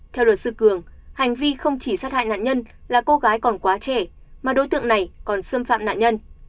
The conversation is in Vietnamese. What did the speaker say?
theo luật sư cường hành vi không chỉ sát hại nạn nhân là cô gái còn quá trẻ mà đối tượng này còn xâm phạm nạn nhân